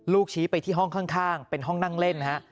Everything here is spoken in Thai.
ชี้ไปที่ห้องข้างเป็นห้องนั่งเล่นฮะ